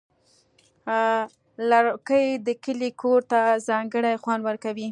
لرګی د کلي کور ته ځانګړی خوند ورکوي.